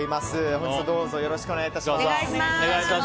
本日はどうぞよろしくお願いいたします。